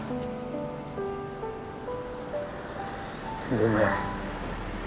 ごめん。